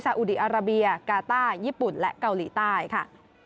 อุดีอาราเบียกาต้าญี่ปุ่นและเกาหลีใต้ค่ะ